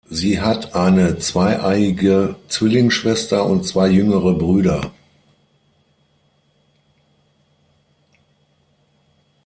Sie hat eine zweieiige Zwillingsschwester und zwei jüngere Brüder.